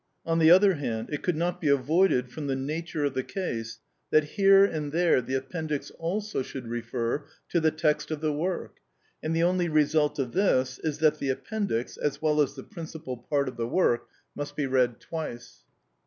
On the other hand, it could not be avoided, from the nature of the case, that here and there the appendix also should refer to the text of the work; and the only result of this is, that the appendix, as well as the principal part of the work, must be read twice.